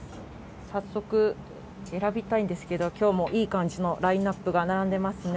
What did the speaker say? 早速選びたいんですけど今日もいい感じのラインナップが並んでますね。